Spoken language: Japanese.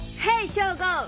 ショーゴ！